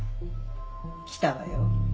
来たわよ。